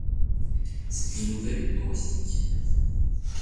C’est une nouvelle humoristique.